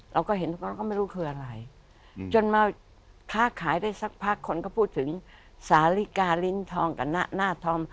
เราก็เห็นทุกคนก็ไม่รู้คืออะไรจนมาค้าขายได้สักพักคนก็พูดถึงสาลิกาลิ้นทองกับหน้าธอม